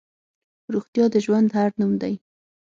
روغتیا د ژوند هر نوم دی.